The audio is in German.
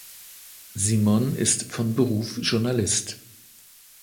Simon ist von Beruf Journalist.